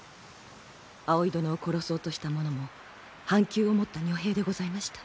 葵殿を殺そうとした者も半弓を持った女兵でございました。